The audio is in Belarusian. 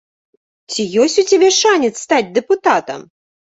Ці ёсць у цябе шанец стаць дэпутатам?